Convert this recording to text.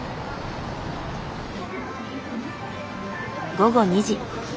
午後２時。